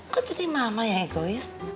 kok jadi mama yang egois